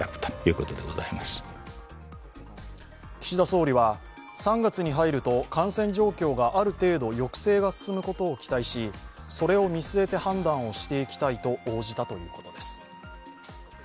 岸田総理は３月に入ると感染状況がある程度抑制が進むことを期待し、それを見据えて判断をしていきたいと応じたということです。